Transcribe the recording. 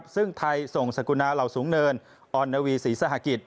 ซึ่งไทยส่งสกุณาเหล่าสูงเนินออนนาวีศรีสหกิจ